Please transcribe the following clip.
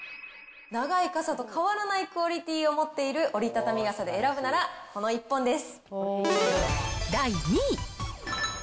長い傘と変わらないクオリティを持っている折りたたみ傘で選ぶなら、第２位。